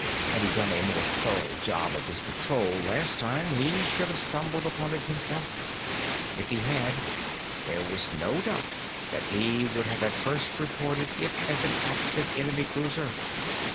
Had he done a more thorough job of his patrol, last time, he should have stumbled upon it himself. If he had, there was no doubt that he would have at first reported it as an active enemy cruiser.